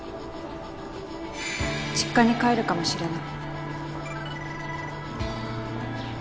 実家に帰るかもしれない